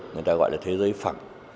người ta gọi là thế giới phẳng